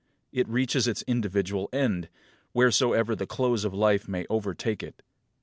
It reaches its individual end, wheresoever the close of life may overtake it.